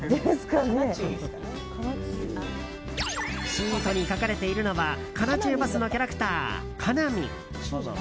シートに描かれているのは神奈中バスのキャラクターかなみん。